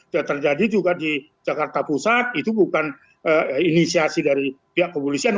yang terjadi juga di jakarta pusat itu bukan inisiasi dari pihak kepolisian